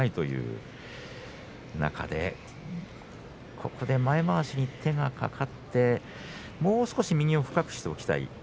そうした中で前まわしに手が掛かってもう少し右を深くしておきたい。